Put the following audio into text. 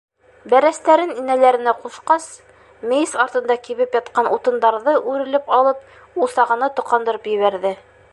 Бәрәстәрен инәләренә ҡушҡас, мейес артында кибеп ятҡан утындарҙы үрелеп алып, усағына тоҡандырып ебәрҙе.